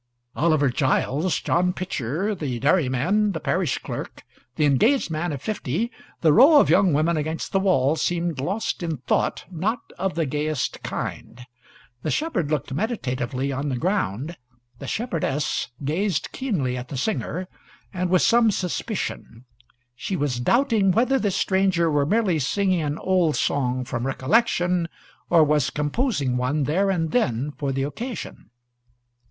Oliver Giles, John Pitcher, the dairyman, the parish clerk, the engaged man of fifty, the row of young women against the wall, seemed lost in thought not of the gayest kind. The shepherd looked meditatively on the ground; the shepherdess gazed keenly at the singer, and with some suspicion; she was doubting whether this stranger was merely singing an old song from recollection, or composing one there and then for the occasion.